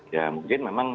ya mungkin memang